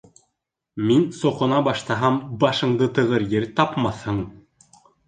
Мин соҡона баштаһам, башыңды тығыр ер тапмаҫһың!